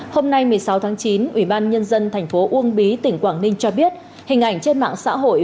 hôm nay một mươi sáu tháng chín ủy ban nhân dân thành phố uông bí tỉnh quảng ninh cho biết hình ảnh trên mạng xã hội